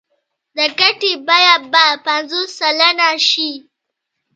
د ګټې بیه به پنځوس سلنه شي